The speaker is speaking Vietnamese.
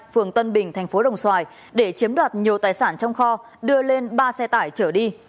phường tân bình thành phố đồng xoài để chiếm đoạt nhiều tài sản trong kho đưa lên ba xe tải trở đi